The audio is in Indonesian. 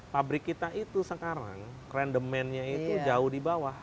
pabrik kita itu sekarang random man nya itu jauh di bawah